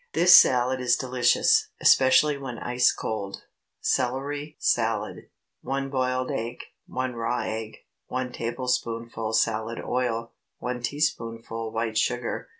This salad is delicious, especially when ice cold. CELERY SALAD. ✠ 1 boiled egg. 1 raw egg. 1 tablespoonful salad oil. 1 teaspoonful white sugar.